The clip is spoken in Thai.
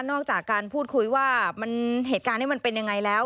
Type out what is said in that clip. อกจากการพูดคุยว่าเหตุการณ์นี้มันเป็นยังไงแล้ว